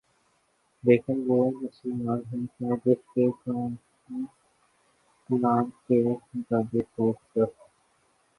لیکن وہ مسلمان ہی کیا جس کے کام پلان کے مطابق ہوسک